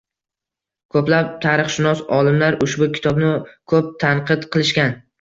Koʻplab tarixshunos olimlar ushbu kitobni koʻp tanqid qilishgan.